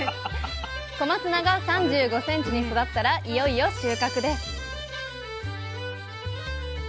小松菜が３５ｃｍに育ったらいよいよ収穫です